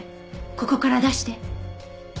ここから出して。